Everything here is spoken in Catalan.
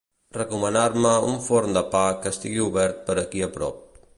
Recomanar-me un forn de pa que estigui obert per aquí a prop.